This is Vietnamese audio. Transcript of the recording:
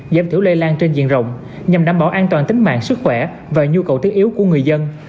giảm thiểu lây lan trên diện rộng nhằm đảm bảo an toàn tính mạng sức khỏe và nhu cầu thiết yếu của người dân